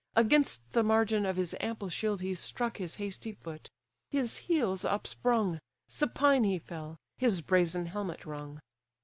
Against the margin of his ample shield He struck his hasty foot: his heels up sprung; Supine he fell; his brazen helmet rung.